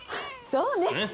そうね！